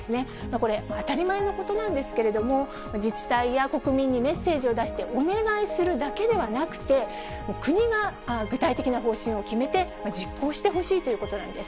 これ、当たり前のことなんですけれども、自治体や国民にメッセージを出して、お願いするだけではなくて、国が具体的な方針を決めて、実行してほしいということなんです。